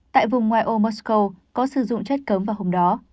tại vùng ngoài ô moscow có sử dụng chất cấm vào hôm đó